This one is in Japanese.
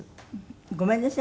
ごめんなさい